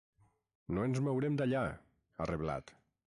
“No ens mourem d’allà”, ha reblat.